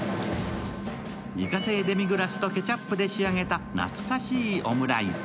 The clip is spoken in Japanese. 自家製デミグラスとケチャップで仕上げた懐かしいオムライス。